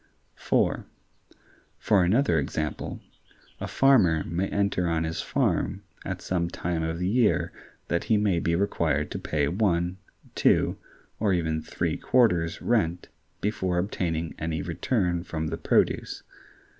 (4) For another example: a farmer may enter on his farm at such a time of the year that he may be required to pay one, two, or even three quarters' rent before obtaining any return from the produce.